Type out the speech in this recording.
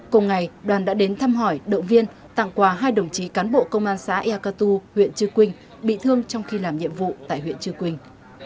cùng ngày đoàn đã đến thăm hỏi động viên tặng quà hai đồng chí cán bộ công an xã eakatu huyện chư quynh bị thương trong khi làm nhiệm vụ tại huyện chư quynh